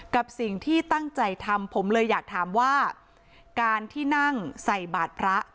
กับสิ่งที่ตั้งใจทำผมเลยอยากถามว่าการที่นั่งใส่บาทพระ